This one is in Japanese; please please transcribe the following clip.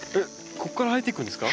ここから入っていくんですか？